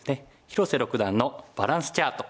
広瀬六段のバランスチャート。